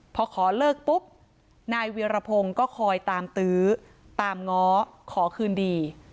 พอขอเลิกปุ๊บนายเวียรพงศ์ก็คอยตามตื้อตามง้อขอคืนดี